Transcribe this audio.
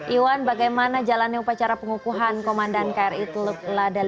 iwan bagaimana jalannya upacara pengukuhan komandan kri teluk lada lima ratus dua puluh satu